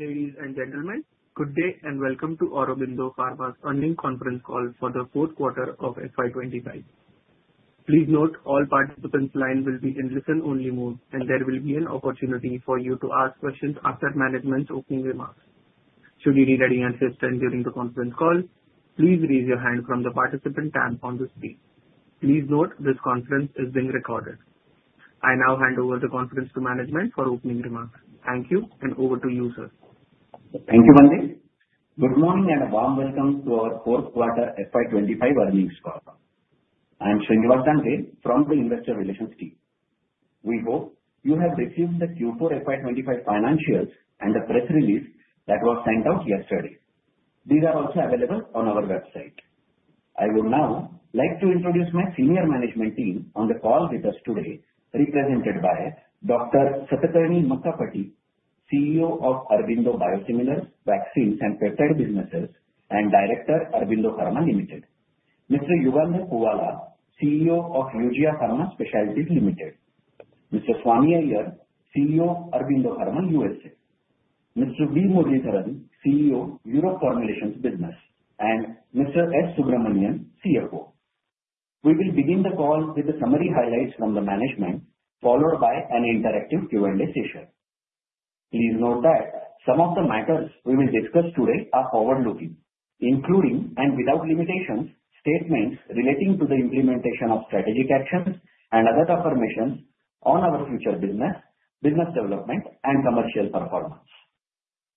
Ladies and gentlemen, good day and welcome to Aurobindo Pharma's earning conference call for the fourth quarter of FY 2025. Please note all participants' lines will be in listen-only mode, and there will be an opportunity for you to ask questions after management's opening remarks. Should you need any assistance during the conference call, please raise your hand from the participant tab on the screen. Please note this conference is being recorded. I now hand over the conference to management for opening remarks. Thank you, and over to you, sir. Thank you, Mandeep. Good morning and a warm welcome to our fourth quarter FY 2025 earnings call. I'm Shriniwas Dange from the investor relations team. We hope you have received the Q4 FY 2025 financials and the press release that was sent out yesterday. These are also available on our website. I would now like to introduce my senior management team on the call with us today, represented by Dr. Satakarni Makkapati, CEO of Aurobindo Biosimilars, Vaccines and Preparedness Businesses, and Director Aurobindo Pharma Limited; Mr. Yugandhar Puvvala, CEO of Eugia Pharma Specialties Limited; Mr. Swami Iyer, CEO Aurobindo Pharma USA; Mr. V. Muralidharan, CEO Europe Formulations Business; and Mr. S. Subramanian, CFO. We will begin the call with the summary highlights from the management, followed by an interactive Q&A session. Please note that some of the matters we will discuss today are forward-looking, including and without limitations statements relating to the implementation of strategic actions and other affirmations on our future business, business development, and commercial performance.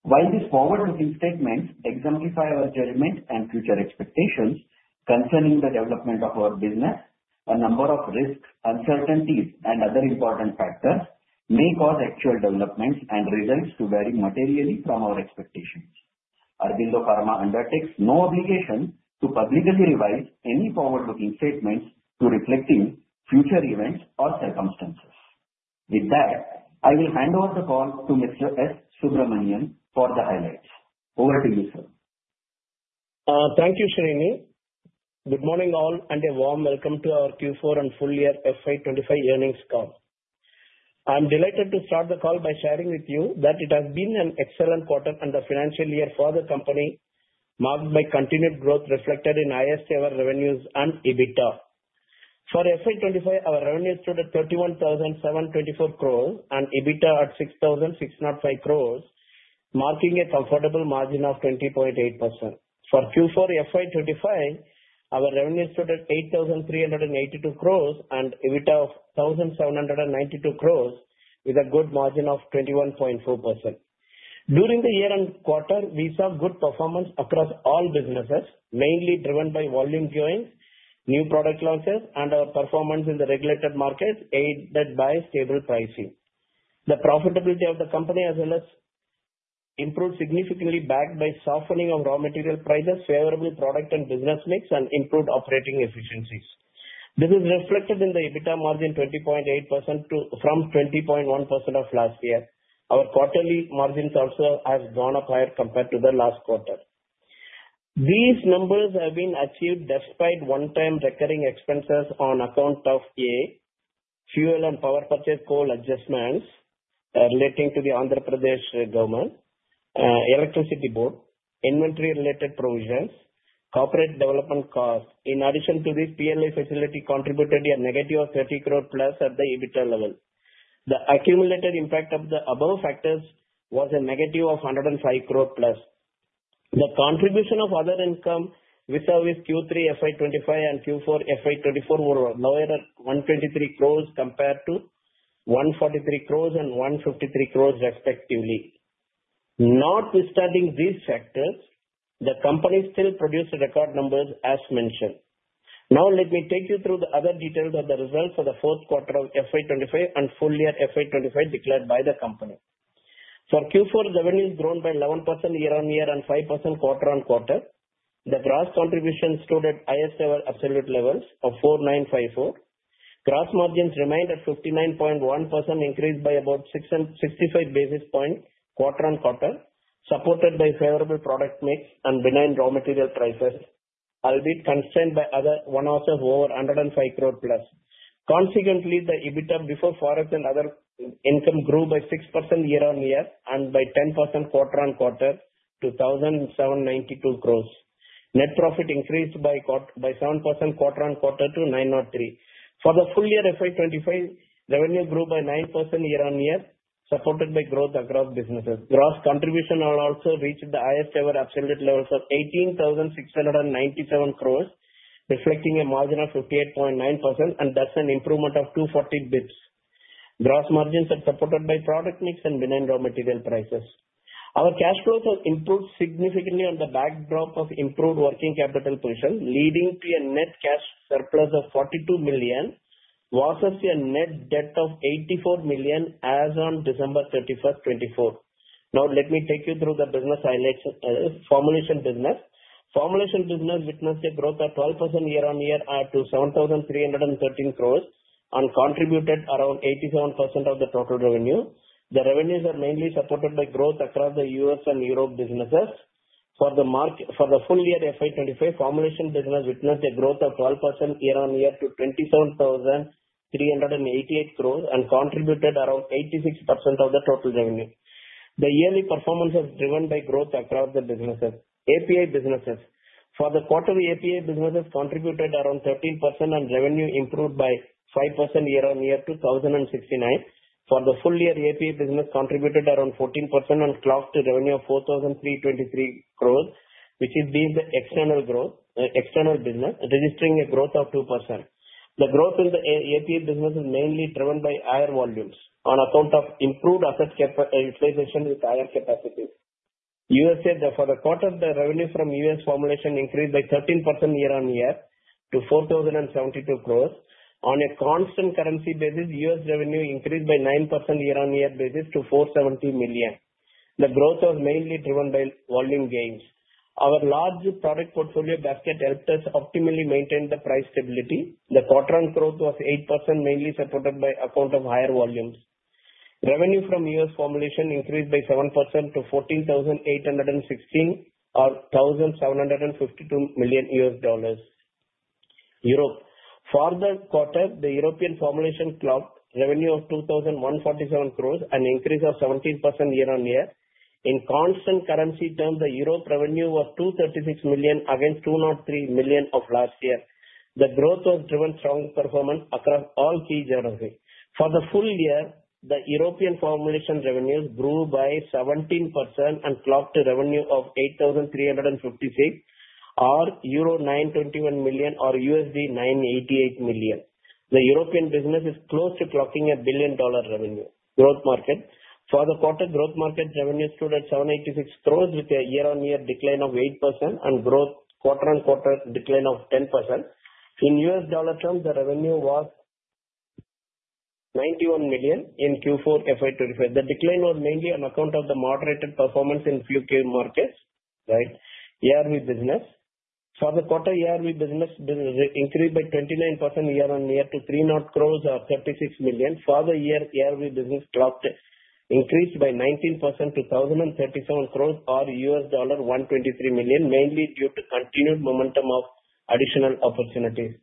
While these forward-looking statements exemplify our judgment and future expectations concerning the development of our business, a number of risks, uncertainties, and other important factors may cause actual developments and results to vary materially from our expectations. Aurobindo Pharma undertakes no obligation to publicly revise any forward-looking statements to reflect future events or circumstances. With that, I will hand over the call to Mr. S. Subramanian for the highlights. Over to you, sir. Thank you, Shrini. Good morning all, and a warm welcome to our Q4 and full year FY 2025 earnings call. I'm delighted to start the call by sharing with you that it has been an excellent quarter and a financial year for the company, marked by continued growth reflected in highest revenues and EBITDA. For FY 2025, our revenues stood at 31,724 crore rupees and EBITDA at 6,605 crore, marking a comfortable margin of 20.8%. For Q4 FY 2025, our revenues stood at 8,382 crore and EBITDA of 1,792 crore, with a good margin of 21.4%. During the year and quarter, we saw good performance across all businesses, mainly driven by volume growing, new product launches, and our performance in the regulated markets aided by stable pricing. The profitability of the company, as well as, improved significantly backed by softening of raw material prices, favorable product and business mix, and improved operating efficiencies. This is reflected in the EBITDA margin of 20.8% from 20.1% of last year. Our quarterly margins also have gone up higher compared to the last quarter. These numbers have been achieved despite one-time recurring expenses on account of A, fuel and power purchase coal adjustments relating to the Andhra Pradesh Electricity Board, inventory-related provisions, and corporate development costs. In addition to this, PLI facility contributed a negative of 30 crore plus at the EBITDA level. The accumulated impact of the above factors was a negative of 105 crore plus. The contribution of other income with service Q3 FY 2025 and Q4 FY 2024 were lower at 123 crore compared to 143 crore and 153 crore respectively. Notwithstanding these factors, the company still produced record numbers as mentioned. Now, let me take you through the other details of the results for the fourth quarter of FY 2025 and full year FY 2025 declared by the company. For Q4, revenues grown by 11% year-on-year and 5% quarter-on-quarter. The gross contribution stood at highest absolute levels of 4,954 crore. Gross margins remained at 59.1%, increased by about 65 basis points quarter-on-quarter, supported by favorable product mix and benign raw material prices, albeit constrained by other one-offs of over 105 crore plus. Consequently, the EBITDA before forecast and other income grew by 6% year-on-year and by 10% quarter-on-quarter to 1,792 crore. Net profit increased by 7% quarter-on-quarter to 903 crore. For the full year FY 2025, revenue grew by 9% year-on-year, supported by growth across businesses. Gross contribution also reached the ISCR absolute levels of 18,697 crore, reflecting a margin of 58.9% and that's an improvement of 214 basis points. Gross margins are supported by product mix and benign raw material prices. Our cash flows have improved significantly on the backdrop of improved working capital position, leading to a net cash surplus of $42 million, versus a net debt of $84 million as on December 31, 2024. Now, let me take you through the business highlights: formulation business. Formulation business witnessed a growth of 12% year-on-year to 7,313 crore and contributed around 87% of the total revenue. The revenues are mainly supported by growth across the US and Europe businesses. For the full year FY 2025, formulation business witnessed a growth of 12% year-on-year to 27,388 crore and contributed around 86% of the total revenue. The yearly performance is driven by growth across the businesses. API businesses. For the quarterly, API businesses contributed around 13% and revenue improved by 5% year-on-year to 1,069 crore. For the full year, API business contributed around 14% and clocked a revenue of 4,323 crore, which is the external business, registering a growth of 2%. The growth in the API business is mainly driven by IR volumes on account of improved asset capitalization with IR capacities. USA, for the quarter, the revenue from U.S. formulation increased by 13% year-on-year to 4,072 crore. On a constant currency basis, U.S. revenue increased by 9% year-on-year to $470 million. The growth was mainly driven by volume gains. Our large product portfolio basket helped us optimally maintain the price stability. The quarter-on-quarter growth was 8%, mainly supported by account of higher volumes. Revenue from U.S. formulation increased by 7% to 14,816 crore or $1,752 million. Europe. For the quarter, the European formulation clocked revenue of 2,147 crore and increased 17% year-on-year. In constant currency terms, the Europe revenue was 236 million against 203 million of last year. The growth was driven from performance across all key geographies. For the full year, the European formulation revenues grew by 17% and clocked a revenue of 8,356 crore or euro 921 million or $988 million. The European business is close to clocking a billion-dollar revenue. Growth market. For the quarter, growth market revenue stood at 786 crore, with a year-on-year decline of 8% and quarter-on-quarter decline of 10%. In US dollar terms, the revenue was $91 million in Q4 FY 2025. The decline was mainly on account of the moderated performance in a few key markets. Right? ERV business. For the quarter, ERV business increased by 29% year-on-year to 300 crore or $36 million. For the year, ERV business clocked increased by 19% to 1,037 crore or $123 million, mainly due to continued momentum of additional opportunities.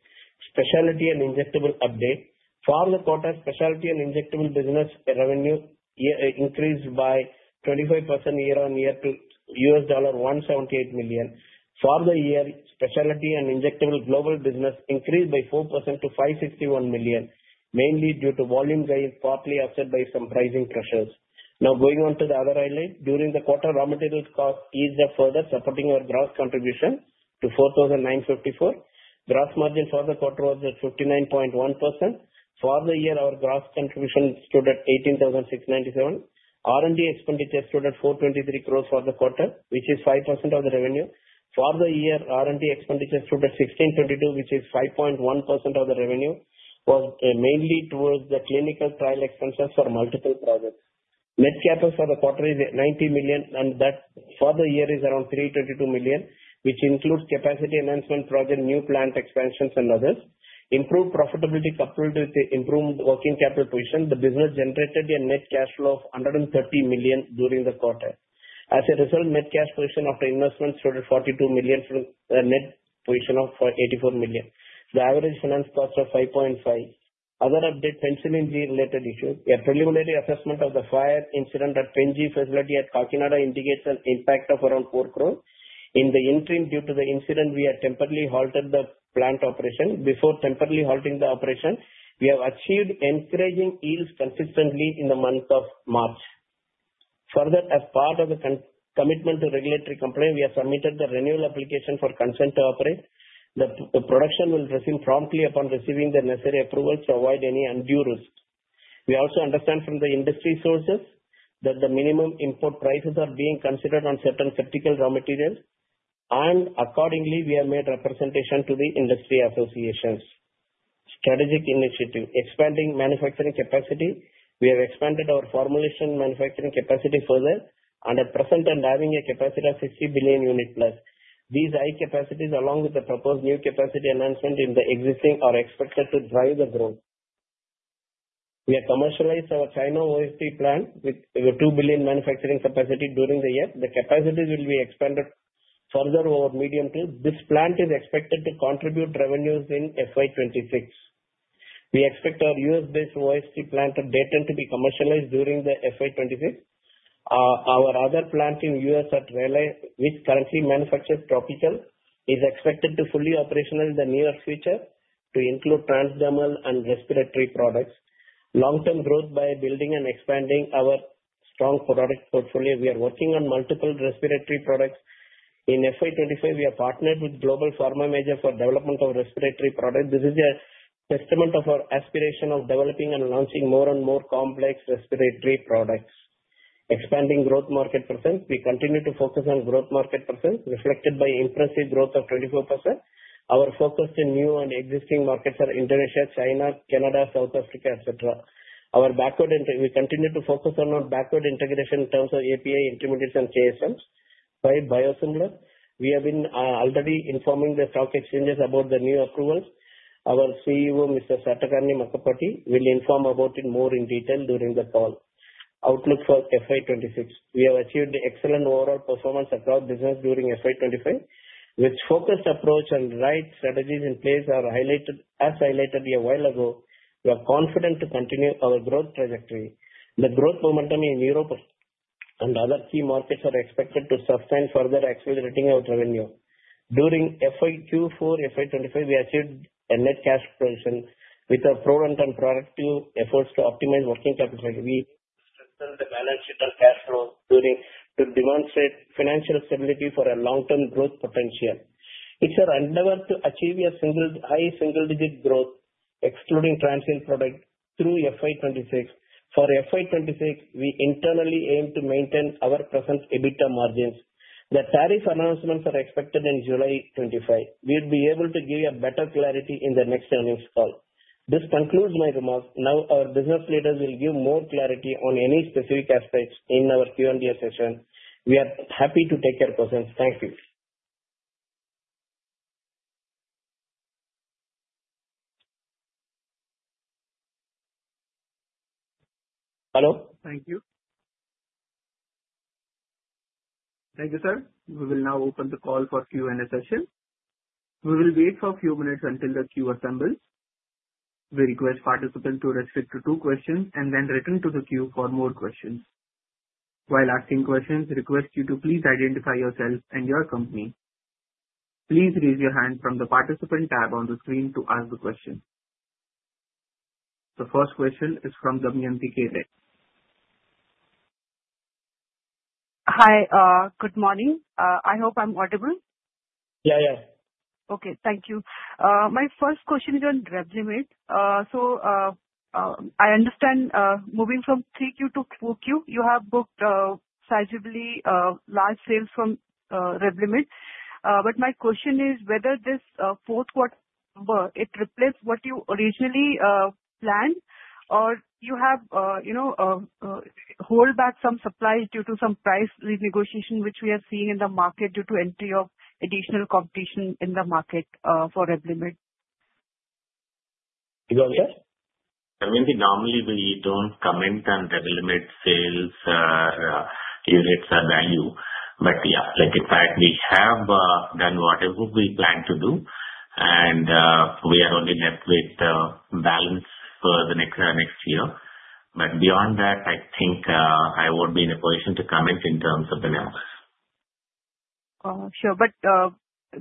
Specialty and injectable update. For the quarter, specialty and injectable business revenue increased by 25% year-on-year to $178 million. For the year, specialty and injectable global business increased by 4% to $561 million, mainly due to volume gain partly offset by some pricing pressures. Now, going on to the other highlight, during the quarter, raw materials cost eased further, supporting our gross contribution to 4,954 crore. Gross margin for the quarter was at 59.1%. For the year, our gross contribution stood at 18,697 crore. R&D expenditure stood at 423 crore for the quarter, which is 5% of the revenue. For the year, R&D expenditure stood at 1,622 crore, which is 5.1% of the revenue, mainly towards the clinical trial expenses for multiple projects. Net capital for the quarter is $90 million, and that for the year is around $322 million, which includes capacity enhancement projects, new plant expansions, and others. Improved profitability coupled with improved working capital position, the business generated a net cash flow of $130 million during the quarter. As a result, net cash position after investment stood at $42 million from net position of $84 million. The average finance cost of 5.5%. Other update: penicillin related issues. A preliminary assessment of the fire incident at Pen-G facility at Kakinada indicates an impact of around 4 crore. In the interim, due to the incident, we have temporarily halted the plant operation. Before temporarily halting the operation, we have achieved encouraging yields consistently in the month of March. Further, as part of the commitment to regulatory compliance, we have submitted the renewal application for consent to operate. The production will resume promptly upon receiving the necessary approvals to avoid any undue risk. We also understand from the industry sources that the minimum import prices are being considered on certain critical raw materials, and accordingly, we have made representation to the industry associations. Strategic initiative: expanding manufacturing capacity. We have expanded our formulation manufacturing capacity further and are present and having a capacity of 60 billion units plus. These high capacities, along with the proposed new capacity enhancement in the existing, are expected to drive the growth. We have commercialized our China OSD plant with 2 billion manufacturing capacity during the year. The capacities will be expanded further over medium term. This plant is expected to contribute revenues in FY 2026. We expect our U.S.-based OSD plant at Dayton to be commercialized during the FY 2026. Our other plant in U.S. at Raleigh, which currently manufactures topical, is expected to fully operationalize in the near future to include transdermal and respiratory products. Long-term growth by building and expanding our strong product portfolio. We are working on multiple respiratory products. In FY 2025, we are partnered with Global Pharma Major for development of respiratory products. This is a testament of our aspiration of developing and launching more and more complex respiratory products. Expanding growth market percentage. We continue to focus on growth market percentage, reflected by impressive growth of 24%. Our focus in new and existing markets are Indonesia, China, Canada, South Africa, etc. Our backward, and we continue to focus on our backward integration in terms of API, intermediates, and KSMs by biosimilar. We have been already informing the stock exchanges about the new approvals. Our CEO, Mr. Satakarni Makkapati will inform about it more in detail during the call. Outlook for FY 2026: we have achieved excellent overall performance across business during FY 2025. With focused approach and right strategies in place, as highlighted a while ago, we are confident to continue our growth trajectory. The growth momentum in Europe and other key markets are expected to sustain, further accelerating our revenue. During Q4 FY 2025, we achieved a net cash position with our proven and productive efforts to optimize working capital. We strengthened the balance sheet and cash flow to demonstrate financial stability for a long-term growth potential. It's our endeavor to achieve a high single-digit growth, excluding transient product, through FY 2026. For FY 2026, we internally aim to maintain our present EBITDA margins. The tariff announcements are expected in July 2025. We will be able to give you better clarity in the next earnings call. This concludes my remarks. Now, our business leaders will give more clarity on any specific aspects in our Q&A session. We are happy to take your questions. Thank you. Hello? Thank you. Thank you, sir. We will now open the call for Q&A session. We will wait for a few minutes until the queue assembles. We request participants to restrict to two questions and then return to the queue for more questions. While asking questions, we request you to please identify yourself and your company. Please raise your hand from the participant tab on the screen to ask the question. The first question is from Damayanti Kerai. Hi, good morning. I hope I'm audible. Yea.h, yeah. Okay, thank you. My first question is on Revlimid. I understand moving from 3Q to 4Q, you have booked sizably large sales from Revlimid. My question is whether this fourth quarter number replaced what you originally planned, or you have held back some supplies due to some price renegotiation, which we are seeing in the market due to entry of additional competition in the market for Revlimid? You go ahead. I mean, normally we do not comment on Revlimid sales units or value. Yeah, in fact, we have done whatever we planned to do, and we are only left with the balance for the next year. Beyond that, I think I will not be in a position to comment in terms of the numbers. Sure, but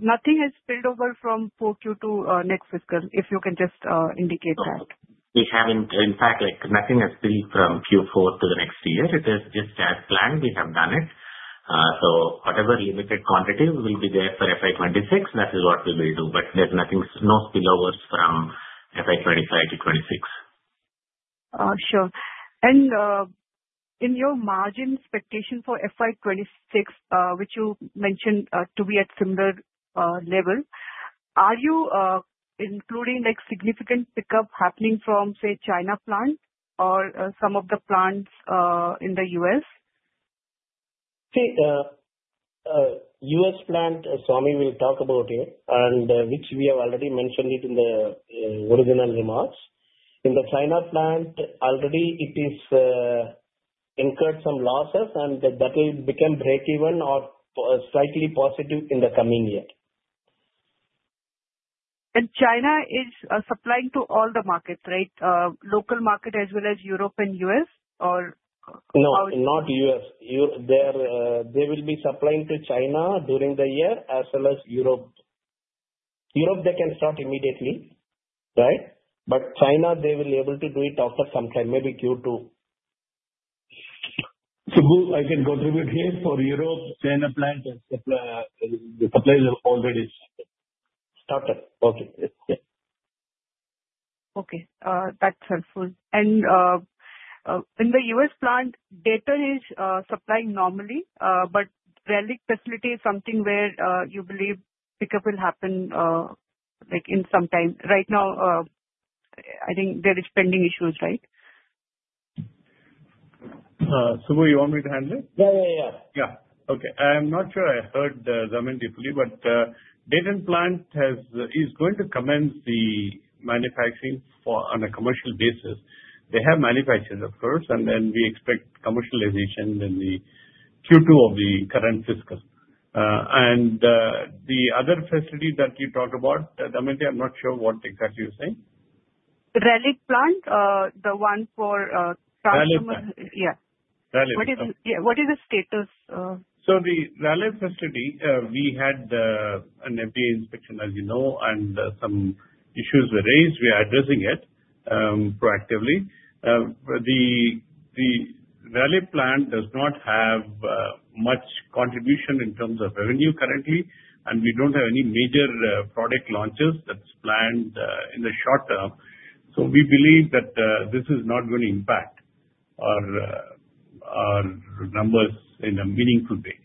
nothing has spilled over from 4Q to next fiscal, if you can just indicate that. We have not. In fact, nothing has spilled from Q4 to the next year. It is just as planned. We have done it. So whatever limited quantity will be there for FY 2026, that is what we will do. There are no spillovers from FY 2025 to 2026. Sure. In your margin expectation for FY 2026, which you mentioned to be at similar level, are you including significant pickup happening from, say, China plant or some of the plants in the U.S.? See, U.S. plant Swami will talk about it, and which we have already mentioned in the original remarks. In the China plant, already it has incurred some losses, and that will become breakeven or slightly positive in the coming year. China is supplying to all the markets, right? Local market as well as Europe and U.S., or? No, not U.S. They will be supplying to China during the year as well as Europe. Europe, they can start immediately, right? China, they will be able to do it after some time, maybe Q2. I can contribute here for Europe, China plant supplies are already started. Okay. Okay. That's helpful. In the U.S. plant, Dayton is supplying normally, but Raleigh facility is something where you believe pickup will happen in some time. Right now, I think there are pending issues, right? Subramanian, you want me to handle it? Yeah, yeah, yeah. Yeah. I'm not sure I heard Damayanti fully, but Dayton plant is going to commence the manufacturing on a commercial basis. They have manufactured, of course, and then we expect commercialization in the Q2 of the current fiscal. The other facility that you talked about, Damayanti, I'm not sure what exactly you're saying. Raleigh plant, the one for transdermal? Raleigh plant. Yeah. Raleigh plant. What is the status? The Raleigh facility, we had an FDA inspection, as you know, and some issues were raised. We are addressing it proactively. The Raleigh plant does not have much contribution in terms of revenue currently, and we do not have any major product launches that are planned in the short term. We believe that this is not going to impact our numbers in a meaningful way.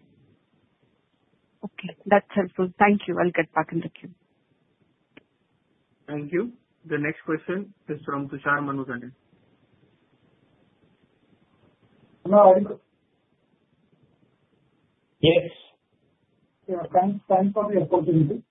Okay. That is helpful. Thank you. I will get back in the queue. Thank you. The next question is from Tushar Manudhane. Hello. Yes. Yeah. Thanks for the opportunity.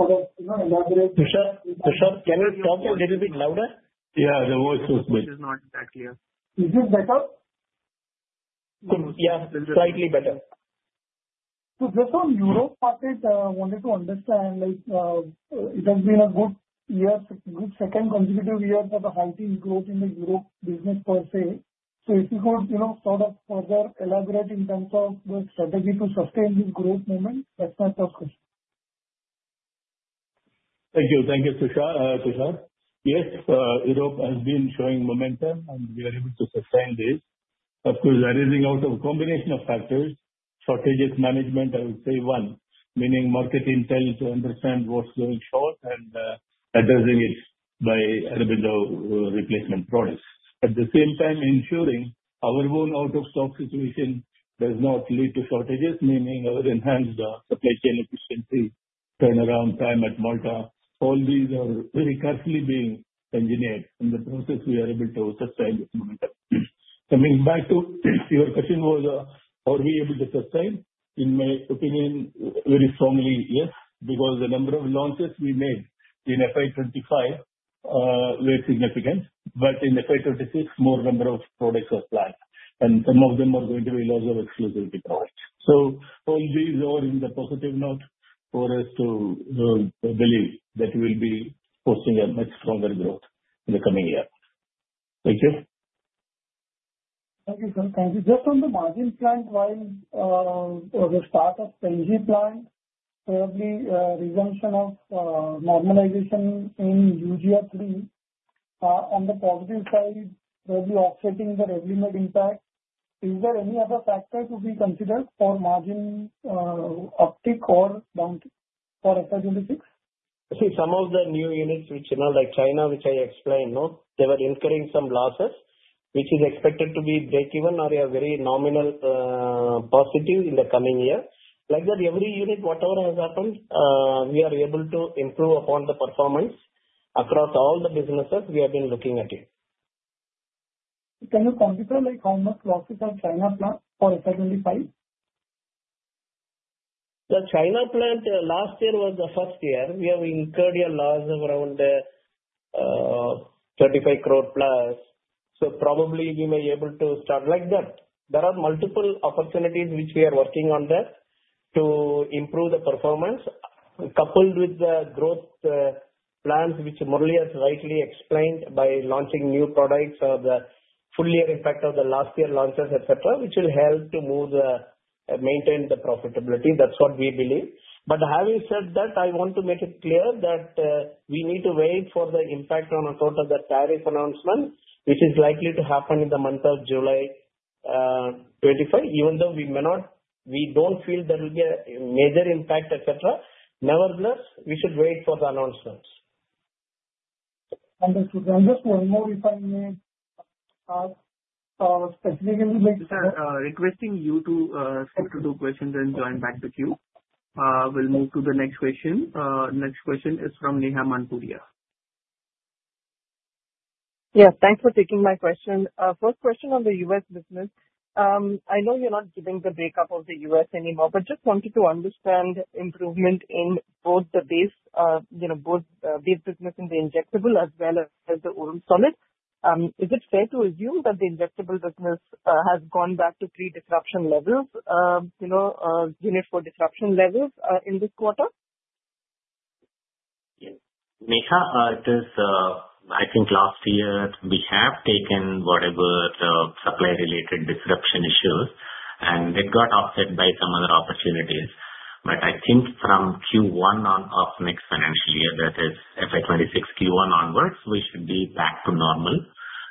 Firstly, on the two-year business, there has been a consistent fighting growth for our facility. Could you just sort of elaborate? Tushar, can you talk a little bit louder? Yeah, the voice was a bit. It is not that clear. Is it better? Yeah, slightly better. Just on Europe market, I wanted to understand, it has been a good second consecutive year for the fighting growth in the Europe business per se. If you could sort of further elaborate in terms of the strategy to sustain this growth moment, that's my first question. Thank you. Thank you, Tushar. Yes, Europe has been showing momentum, and we are able to sustain this. Of course, there is a combination of factors. Shortage management, I would say one, meaning market intel to understand what's going short and addressing it by replacement products. At the same time, ensuring our own out-of-stock situation does not lead to shortages, meaning enhanced supply chain efficiency, turnaround time at Malta. All these are very carefully being engineered. In the process, we are able to sustain this momentum. Coming back to your question, how are we able to sustain? In my opinion, very strongly yes, because the number of launches we made in FY 2025 were significant, but in FY 2026, more number of products were planned, and some of them are going to be loss of exclusivity products. All these are in the positive note for us to believe that we will be posting a much stronger growth in the coming year. Thank you. Thank you, sir. Thank you. Just on the margin front, while the start of Pen-G plant, probably resumption of normalization in Eugia-3. On the positive side, probably offsetting the Revlimid impact. Is there any other factor to be considered for margin uptick or downtick for FY 2026? See, some of the new units, like China, which I explained, they were incurring some losses, which is expected to be breakeven or a very nominal positive in the coming year. Like that, every unit, whatever has happened, we are able to improve upon the performance across all the businesses. We have been looking at it. Can you compare how much losses are China plant for FY 2025? The China plant last year was the first year. We have incurred a loss of around 35 crore plus. Probably we may be able to start like that. There are multiple opportunities which we are working on to improve the performance, coupled with the growth plans, which Murali has rightly explained by launching new products or the full year impact of the last year launches, etc., which will help to maintain the profitability. That is what we believe. Having said that, I want to make it clear that we need to wait for the impact on a total tariff announcement, which is likely to happen in the month of July 2025, even though we do not feel there will be a major impact, etc. Nevertheless, we should wait for the announcements. Thank you. Just one more if I may ask specifically. Requesting you to skip to two questions and join back the queue. We'll move to the next question. Next question is from Neha Manpuria. Yes, thanks for taking my question. First question on the U.S. business. I know you are not giving the breakup of the U.S. anymore, but just wanted to understand improvement in both the base business in the injectable as well as the oral solid. Is it fair to assume that the injectable business has gone back to pre-disruption levels, unit for disruption levels in this quarter? Yes. Neha, it is, I think last year, we have taken whatever supply-related disruption issues, and it got offset by some other opportunities. I think from Q1 of next financial year, that is FY 2026 Q1 onwards, we should be back to normal.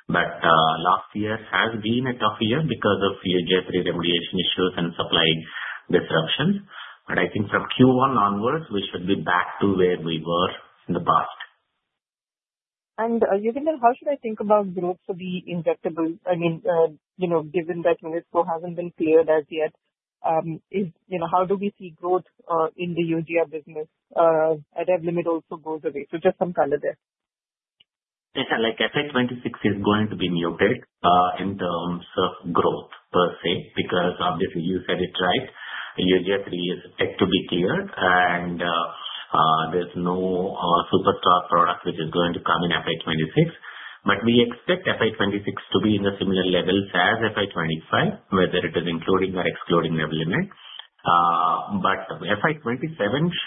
Last year has been a tough year because of Eugia-3 remediation issues and supply disruptions. I think from Q1 onwards, we should be back to where we were in the past. How should I think about growth for the injectable? I mean, given that UNESCO hasn't been cleared as yet, how do we see growth in the Eugia business if Revlimid also goes away? Just some color there. Like FY 2026 is going to be muted in terms of growth per se because obviously you said it right. Eugia-3 is yet to be cleared, and there's no superstar product which is going to come in FY 2026. We expect FY 2026 to be in the similar levels as FY 2025, whether it is including or excluding Revlimid. FY 2027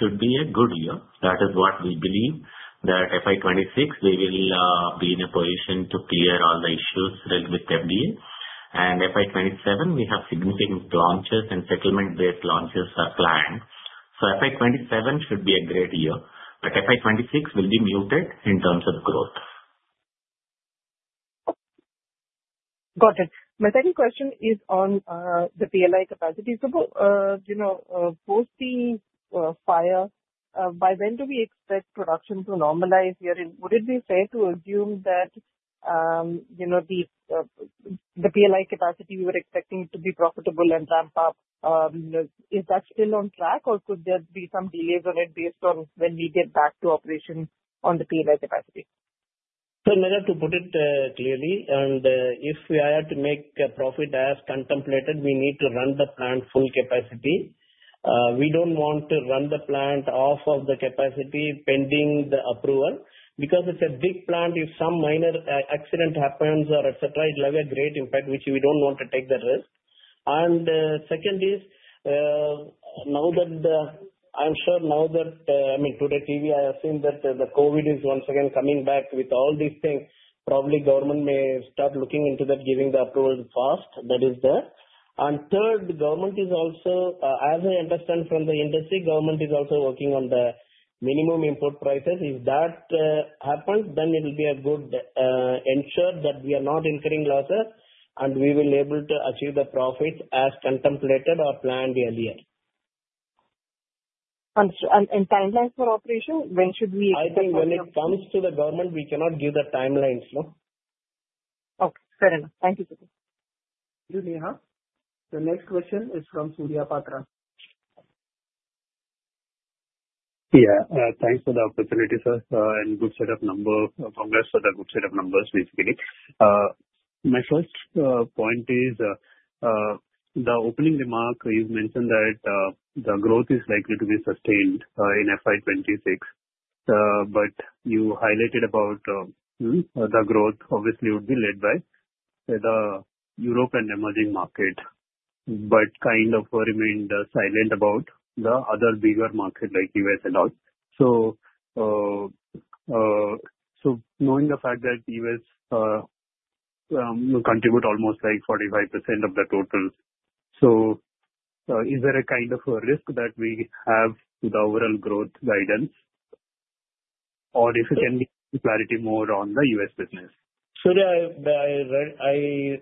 should be a good year. That is what we believe, that FY 2026, we will be in a position to clear all the issues with FDA. FY 2027, we have significant launches and settlement-based launches planned. FY 2027 should be a great year. FY 2026 will be muted in terms of growth. Got it. My second question is on the PLI capacity. Post the fire, by when do we expect production to normalize here? Would it be fair to assume that the PLI capacity we were expecting to be profitable and ramp up, is that still on track, or could there be some delays on it based on when we get back to operation on the PLI capacity? In order to put it clearly, and if we are to make a profit as contemplated, we need to run the plant full capacity. We do not want to run the plant off of the capacity pending the approval because it is a big plant. If some minor accident happens or etc., it will have a great impact, which we do not want to take the risk. Second is, I am sure now that, I mean, today TV, I have seen that the COVID is once again coming back with all these things. Probably government may start looking into that, giving the approval fast. That is there. Third, the government is also, as I understand from the industry, government is also working on the minimum import prices. If that happens, then it will be a good ensure that we are not incurring losses, and we will be able to achieve the profit as contemplated or planned earlier. Timelines for operation, when should we expect? I think when it comes to the government, we cannot give the timelines. Okay. Fair enough. Thank you. Neha? The next question is from Surya Patra. Yeah. Thanks for the opportunity, sir, and good set of numbers. Congrats for the good set of numbers, basically. My first point is the opening remark, you mentioned that the growth is likely to be sustained in FY 2026. But you highlighted about the growth, obviously would be led by the Europe and emerging market, but kind of remained silent about the other bigger market like US and all. So knowing the fact that U.S. almost like 45% of the total, so is there a kind of risk that we have with the overall growth guidance, or if it can be clarity more on the U.S. business? Suriya, I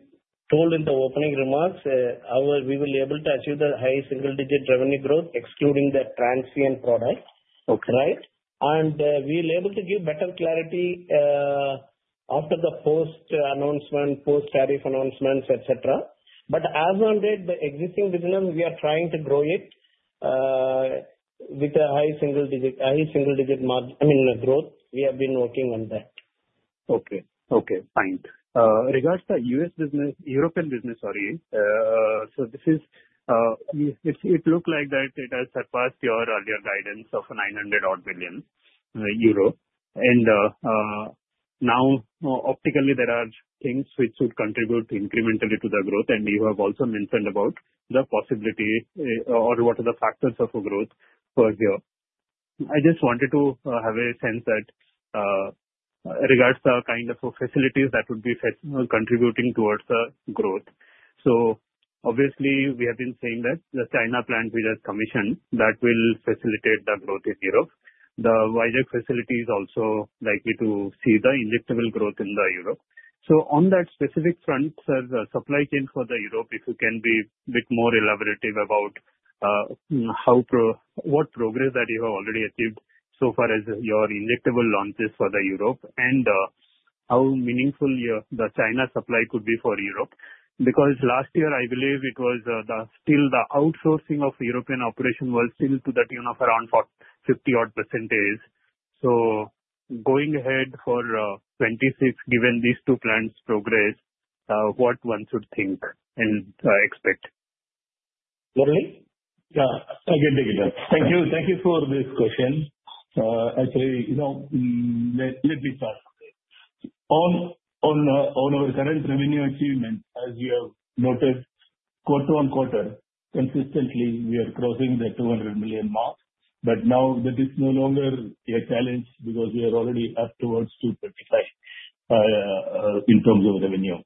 told in the opening remarks, we will be able to achieve the high single-digit revenue growth, excluding the transient product, right? And we will be able to give better clarity after the post-announcement, post-tariff announcements, etc. But as of date, the existing business, we are trying to grow it with a high single-digit margin, I mean, growth. We have been working on that. Okay. Okay. Fine. Regards to U.S. business, European business, sorry. It looked like that it has surpassed your earlier guidance of 900-odd billion euro. Now, optically, there are things which would contribute incrementally to the growth, and you have also mentioned about the possibility or what are the factors of growth for here. I just wanted to have a sense that regards to kind of facilities that would be contributing towards the growth. Obviously, we have been saying that the China plant we just commissioned, that will facilitate the growth in Europe. The Vizag facility is also likely to see the injectable growth in Europe. On that specific front, sir, the supply chain for Europe, if you can be a bit more elaborative about what progress that you have already achieved so far as your injectable launches for Europe and how meaningful the China supply could be for Europe. Because last year, I believe it was still the outsourcing of European operation was still to the tune of around 50-odd %. Going ahead for 2026, given these two plants' progress, what one should think and expect? Murali? Yeah. I can take it. Thank you. Thank you for this question. Actually, let me start. On our current revenue achievement, as you have noted, quarter on quarter, consistently, we are crossing the $200 million mark. That is no longer a challenge because we are already up towards $225 million in terms of revenue.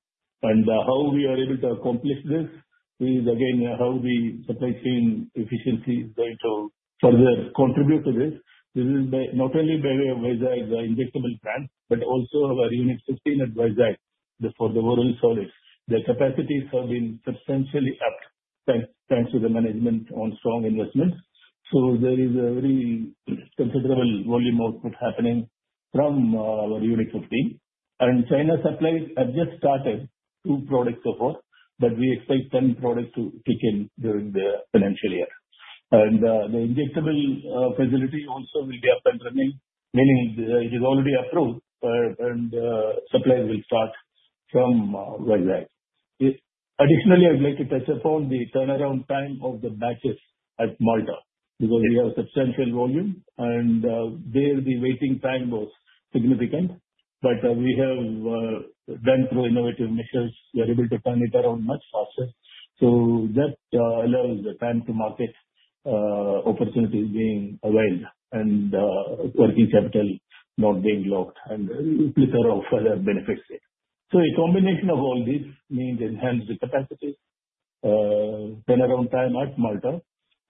How we are able to accomplish this is, again, how the supply chain efficiency is going to further contribute to this. This is not only by the injectable plant, but also our unit 15 advisory for the oral solids. The capacities have been substantially upped thanks to the management on strong investments. There is a very considerable volume output happening from our Unit 15. China supplies have just started, two products so far, but we expect 10 products to kick in during the financial year. The injectable facility also will be up and running, meaning it is already approved, and supplies will start from Vizag. Additionally, I'd like to touch upon the turnaround time of the batches at Malta because we have substantial volume, and there the waiting time was significant. Through innovative measures, we are able to turn it around much faster. That allows the time-to-market opportunities being availed and working capital not being locked and flicker off further benefits there. A combination of all these means enhanced capacity, turnaround time at Malta,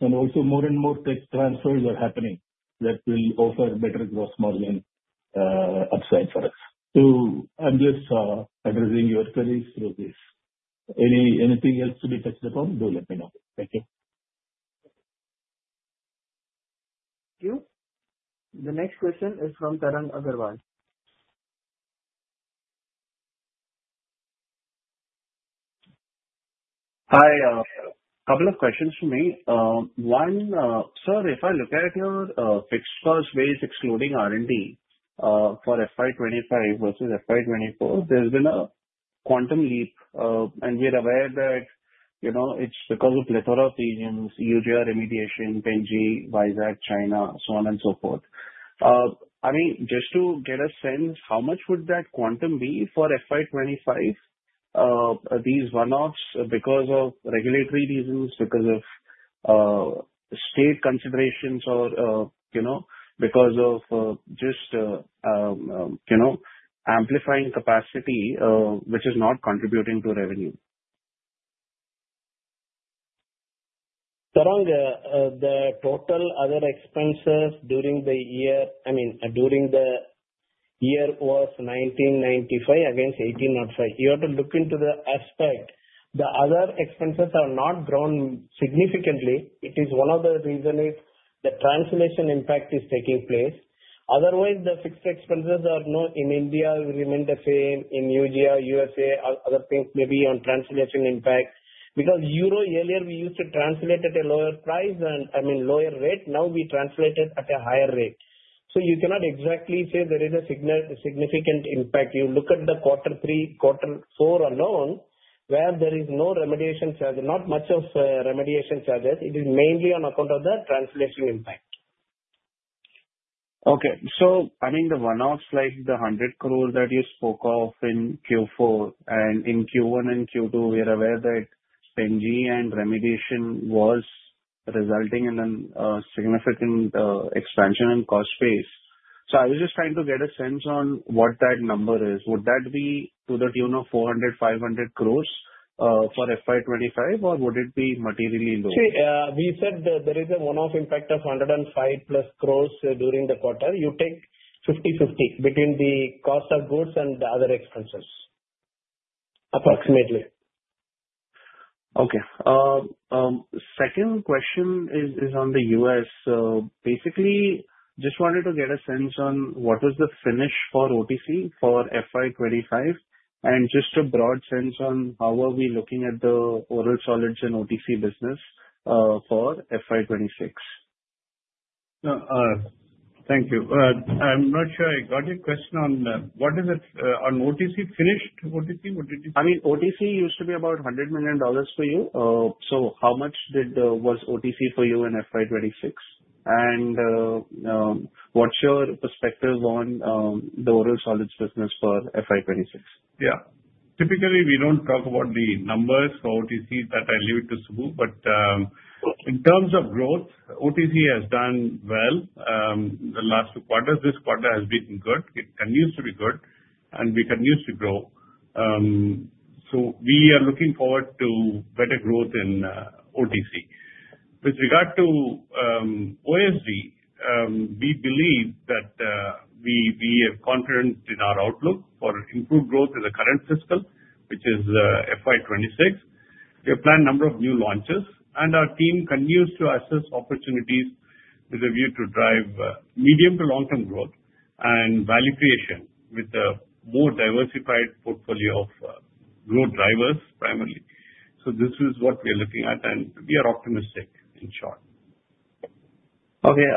and also more and more tech transfers are happening that will offer better gross margin upside for us. I'm just addressing your queries through this. Anything else to be touched upon, do let me know. Thank you. Thank you. The next question is from Tarang Agarwal. Hi. A couple of questions for me. One, sir, if I look at your fixed cost ways excluding R&D for FY 2025 versus FY 2024, there's been a quantum leap, and we are aware that it's because of plateau of regions, Eugia remediation, Pen-G, Vizag, China, so on and so forth. I mean, just to get a sense, how much would that quantum be for FY 2025, these one-offs because of regulatory reasons, because of state considerations, or because of just amplifying capacity, which is not contributing to revenue? Tarang, the total other expenses during the year, I mean, during the year was 1,995 crore against 1,805 crore. You have to look into the aspect. The other expenses have not grown significantly. It is one of the reasons the translation impact is taking place. Otherwise, the fixed expenses are in India will remain the same, in USA, other things may be on translation impact. Because euro earlier, we used to translate at a lower price, and I mean, lower rate. Now, we translate it at a higher rate. You cannot exactly say there is a significant impact. You look at the quarter three, quarter four alone, where there is no remediation charge, not much of remediation charges. It is mainly on account of the translation impact. Okay. I mean, the one-offs like the 100 crore that you spoke of in Q4, and in Q1 and Q2, we are aware that Pen-G and remediation was resulting in a significant expansion in cost base. I was just trying to get a sense on what that number is. Would that be to the tune of 400 crore-500 crore for FY 2025, or would it be materially lower? See, we said there is a one-off impact of 105 crore plus during the quarter. You take 50/50 between the cost of goods and the other expenses, approximately. Okay. Second question is on the U.S. Basically, just wanted to get a sense on what was the finish for OTC for FY 2025, and just a broad sense on how are we looking at the oral solids and OTC business for FY 2026. Thank you. I'm not sure I got your question on what is it on OTC finished OTC? What did you say? I mean, OTC used to be about $100 million for you. So how much was OTC for you in FY 2026? And what's your perspective on the oral solids business for FY 2026? Yeah. Typically, we do not talk about the numbers for OTC, that I leave it to Subbu, but in terms of growth, OTC has done well the last two quarters. This quarter has been good. It continues to be good, and we continue to grow. We are looking forward to better growth in OTC. With regard to OSD, we believe that we are confident in our outlook for improved growth in the current fiscal, which is FY 2026. We have planned a number of new launches, and our team continues to assess opportunities with a view to drive medium to long-term growth and value creation with a more diversified portfolio of growth drivers primarily. This is what we are looking at, and we are optimistic in short. Okay.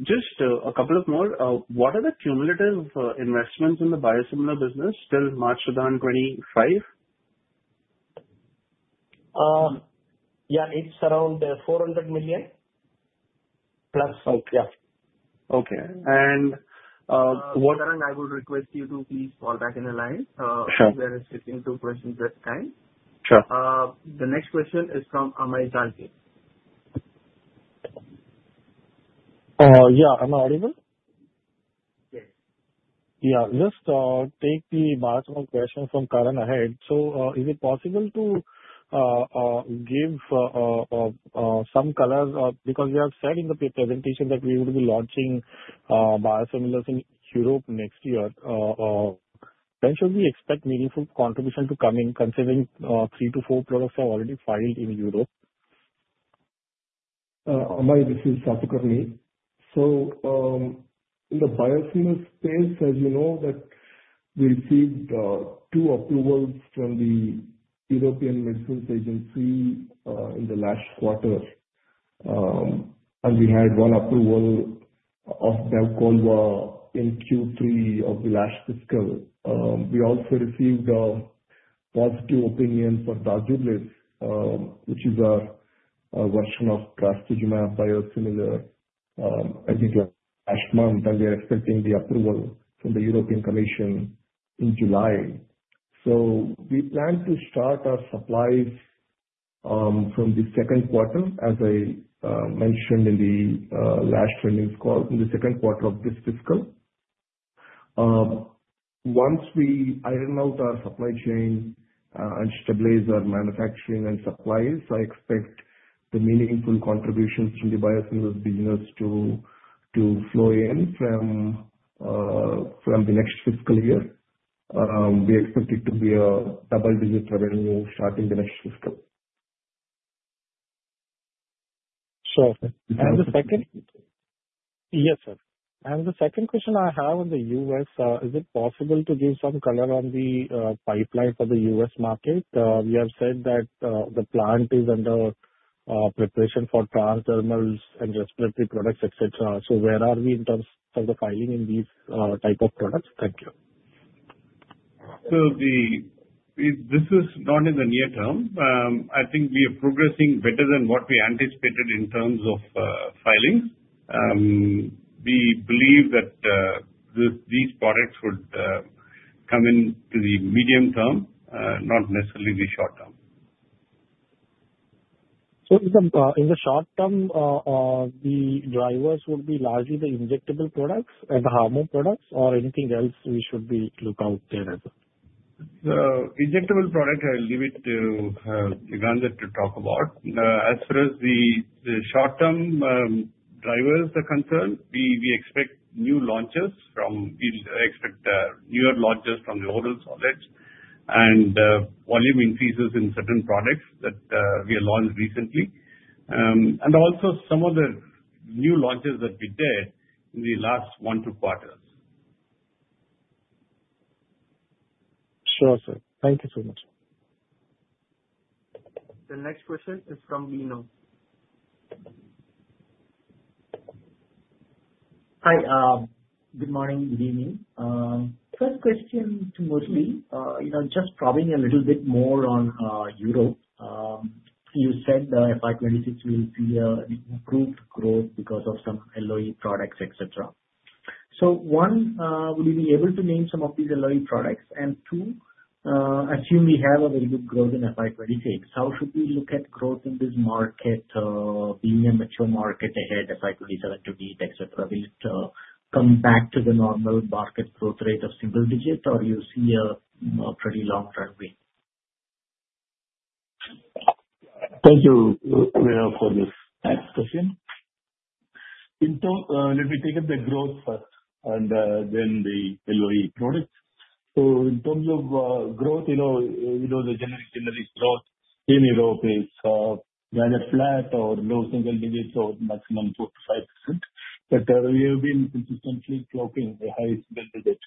Just a couple of more. What are the cumulative investments in the biosimilar business till March 2025? Yeah. It's around $400 million plus. Okay. Yeah. Okay. What? Tarang, I would request you to please fall back in a line where it's between two questions at a time. The next question is from Amay Chalke. Yeah. Am I audible? Yes. Yeah. Just take the marginal question from Karan ahead. Is it possible to give some color? Because we have said in the presentation that we will be launching biosimilars in Europe next year. When should we expect meaningful contribution to come in, considering three to four products have already filed in Europe? Amay, this is Satakarni. In the biosimilar space, as you know, we received two approvals from the European Medicines Agency in the last quarter. We had one approval of Bevqolva in Q3 of the last fiscal. We also received a positive opinion for Dazublys, which is our version of Trastuzumab biosimilar. I think last month, and we are expecting the approval from the European Commission in July. We plan to start our supplies from the second quarter, as I mentioned in the last training call, in the second quarter of this fiscal. Once we iron out our supply chain and stabilize our manufacturing and supplies, I expect the meaningful contributions from the biosimilar business to flow in from the next fiscal year. We expect it to be a double-digit revenue starting the next fiscal. Sure. The second? Yes, sir. The second question I have on the U.S., is it possible to give some color on the pipeline for the U.S. market? You have said that the plant is under preparation for plant thermals and respiratory products, etc. Where are we in terms of the filing in these type of products? Thank you. This is not in the near term. I think we are progressing better than what we anticipated in terms of filing. We believe that these products would come into the medium term, not necessarily the short term. In the short term, the drivers would be largely the injectable products and the hormone products, or anything else we should look out there as well? The injectable product, I'll leave it to Yugandhar to talk about. As far as the short-term drivers are concerned, we expect newer launches from the oral solids and volume increases in certain products that we launched recently, and also some of the new launches that we did in the last one to two quarters. Sure, sir. Thank you so much. The next question is from Bino. Hi. Good morning. Good evening. First question to Murali, just probably a little bit more on Europe. You said FY 2026 will see improved growth because of some LOE products, etc. One, would you be able to name some of these LOE products? Two, assume we have a very good growth in FY 2026. How should we look at growth in this market being a mature market ahead, FY 2027 to beat, etc.? Will it come back to the normal market growth rate of single digits, or do you see a pretty long runway? Thank you, Bino, for this question. Let me take up the growth first and then the LOE products. In terms of growth, you know the generic growth in Europe is either flat or low single digits or maximum 4%-5%. We have been consistently clocking a high single digit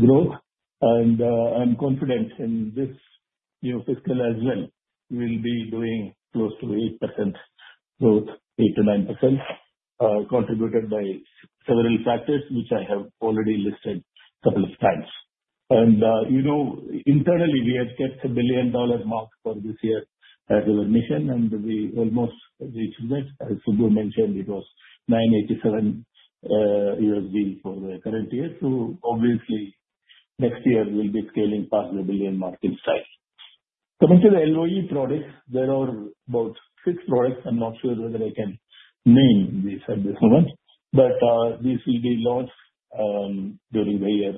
growth. I'm confident in this fiscal as well. We will be doing close to 8% growth, 8%-9%, contributed by several factors, which I have already listed a couple of times. Internally, we have kept a billion-dollar mark for this year as our mission, and we almost reached it. As Subbu mentioned, it was $987 million for the current year. Obviously, next year, we'll be scaling past the billion mark in size. Coming to the LOE products, there are about six products. I'm not sure whether I can name these at this moment, but these will be launched during the year,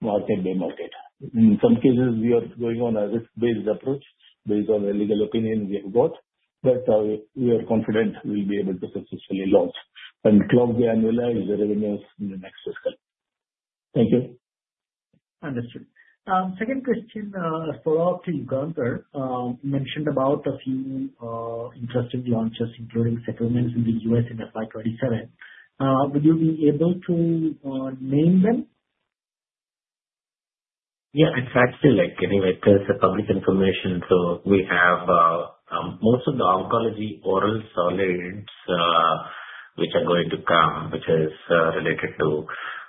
market by market. In some cases, we are going on a risk-based approach based on the legal opinion we have got, but we are confident we'll be able to successfully launch and clock the annualized revenues in the next fiscal. Thank you. Understood. Second question for you, Yugandhar. You mentioned about a few interesting launches, including settlements in the U.S. in FY 2027. Would you be able to name them? Yeah. In fact, anyway, it's public information. So we have most of the oncology oral solids, which are going to come, which is related to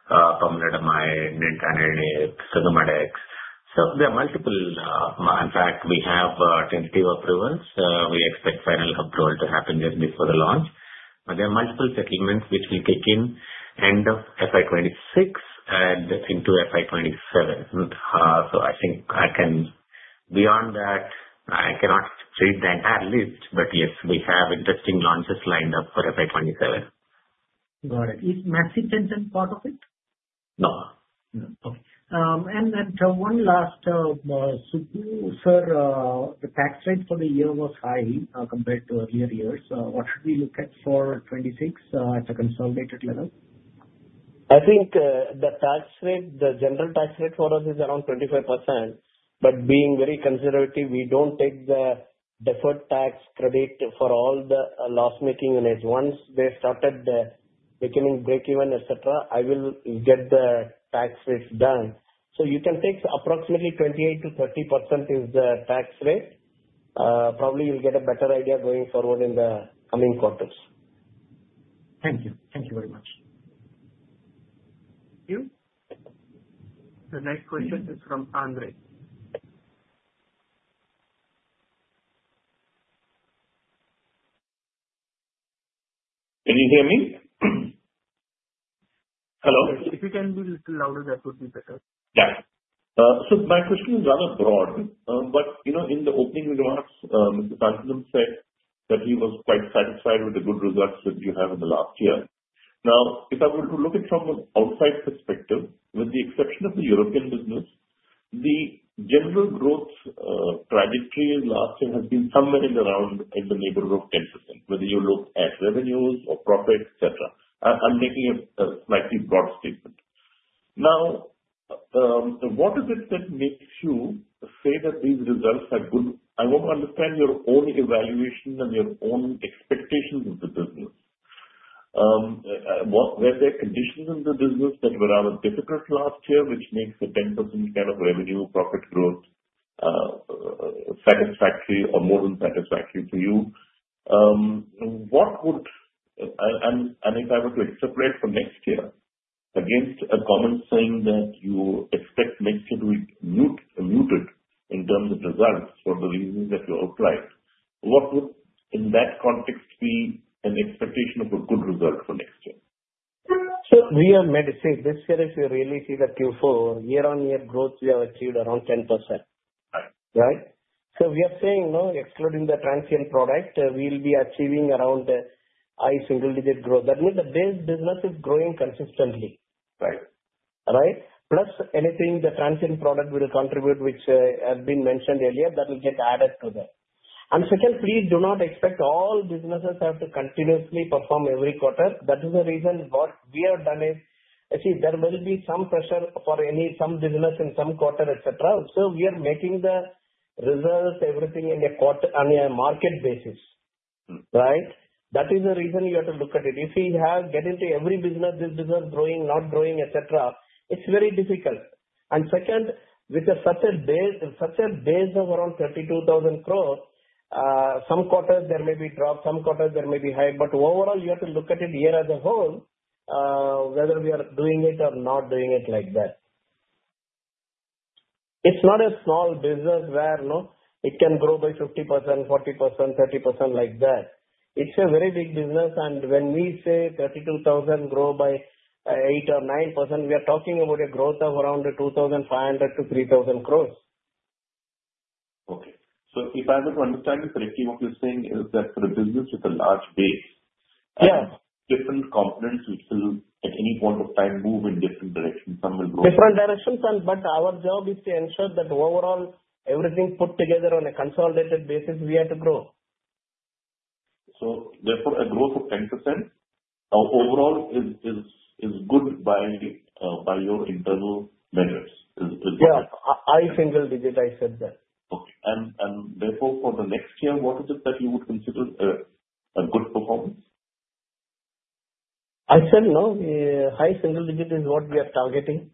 Pomalidomide, Nintedanib, Sugammadex. So there are multiple. In fact, we have tentative approvals. We expect final approval to happen just before the launch. There are multiple settlements which will kick in end of FY 2026 and into FY 2027. I think beyond that, I cannot read the entire list, but yes, we have interesting launches lined up for FY 2027. Got it. Is Macitentan part of it? No. No. Okay. And one last, Subbu, sir, the tax rate for the year was high compared to earlier years. What should we look at for 2026 at a consolidated level? I think the tax rate, the general tax rate for us is around 25%. But being very conservative, we do not take the deferred tax credit for all the loss-making units. Once they start becoming break-even, etc., I will get the tax rates done. So you can take approximately 28%-30% as the tax rate. Probably you will get a better idea going forward in the coming quarters. Thank you. Thank you very much. Thank you. The next question is from Andre. Can you hear me? Hello? If you can be a little louder, that would be better. Yeah. So my question is rather broad. In the opening remarks, Mr. Santhanam said that he was quite satisfied with the good results that you have in the last year. Now, if I were to look at it from an outside perspective, with the exception of the European business, the general growth trajectory last year has been somewhere around in the neighborhood of 10%, whether you look at revenues or profits, etc. I'm making a slightly broad statement. What is it that makes you say that these results are good? I want to understand your own evaluation and your own expectations of the business. Were there conditions in the business that were rather difficult last year, which makes a 10% kind of revenue profit growth satisfactory or more than satisfactory for you? If I were to extrapolate for next year against a comment saying that you expect next year to be muted in terms of results for the reasons that you outlined, what would in that context be an expectation of a good result for next year? We are medicated this year. If you really see the Q4, year-on-year growth, we have achieved around 10%. Right? We are saying, excluding the transient product, we'll be achieving around high single-digit growth. That means the base business is growing consistently. Right? Plus anything the transient product will contribute, which has been mentioned earlier, that will get added to that. Second, please do not expect all businesses have to continuously perform every quarter. That is the reason what we have done is, see, there will be some pressure for some business in some quarter, etc. We are making the results, everything in a market basis. Right? That is the reason you have to look at it. If we get into every business, this business growing, not growing, etc., it's very difficult. Second, with such a base of around 32,000 crore, some quarters there may be a drop, some quarters there may be high. Overall, you have to look at it year as a whole, whether we are doing it or not doing it like that. It is not a small business where it can grow by 50%, 40%, 30% like that. It is a very big business. When we say 32,000 crore grow by 8% or 9%, we are talking about a growth of around 2,500-3,000 crore. Okay. If I was to understand you correctly, what you are saying is that for a business with a large base, different components will still at any point of time move in different directions. Some will grow in different directions. Our job is to ensure that overall, everything put together on a consolidated basis, we have to grow. Therefore, a growth of 10% overall is good by your internal measures. Is that correct? Yeah. High single digit, I said that. Okay. Therefore, for the next year, what is it that you would consider a good performance? I said no. High single digit is what we are targeting.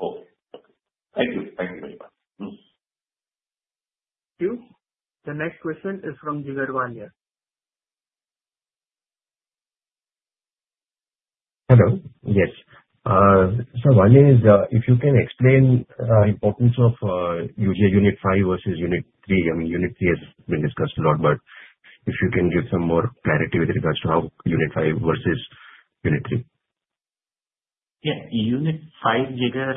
Okay. Okay. Thank you. Thank you very much. Thank you. The next question is from Jigar Walia. Hello. Yes. One is, if you can explain the importance of Unit 5 versus Unit 3. I mean, Unit 3 has been discussed a lot, but if you can give some more clarity with regards to how Unit 5 versus Unit 3. Yeah. Unit 5, Jigar,